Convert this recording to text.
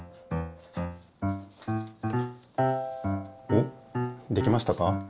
おっできましたか？